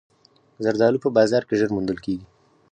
زردالو په بازار کې ژر موندل کېږي.